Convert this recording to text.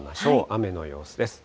雨の様子です。